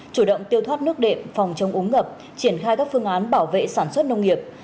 chủ động tiêu thoát nước đệm phòng chống úng ngập triển khai các phương án bảo vệ sản xuất nông nghiệp